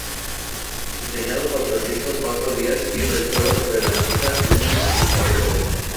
Diseñado por Francisco "Paco" Díaz y realizado por el artista Edwin Francisco Rosario.